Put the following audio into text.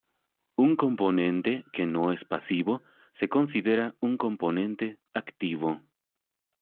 Un componente que no es pasivo se considera un componente activo.